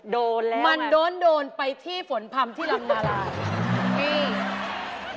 โดนแล้วอะไรมันโดนไปที่ฝนพลัมที่ลำนาราย